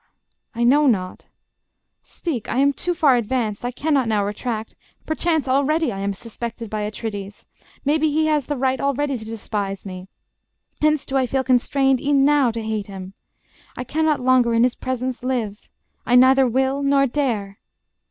... I know not ... Speak: I am too far advanced; I cannot now retract: perchance already I am suspected by Atrides; maybe He has the right already to despise me: Hence do I feel constrained, e'en now, to hate him; I cannot longer in his presence live; I neither will, nor dare.